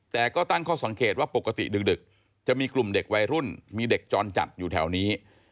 แต่ก็ตั้งข้อสังเกตว่าปกติดึกจะมีกลุ่มเด็กวัยรุ่นมีเด็กจรจัดอยู่แถวนี้